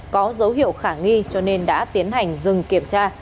có dấu hiệu khả nghi cho nên đã tiến hành dừng kiểm tra